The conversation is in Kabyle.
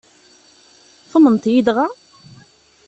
Tumneḍ-iyi dɣa?